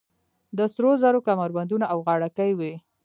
د سرو زرو کمربندونه او غاړکۍ وې